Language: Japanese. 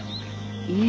いえ。